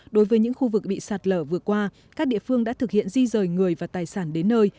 đối với những khu vực bị sạt lở vừa qua các địa phương đã thực hiện di rời người và tài sản đến nơi